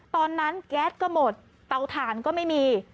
ตอนนั้นแก๊สก็หมดเตาถ่านก็ไม่มี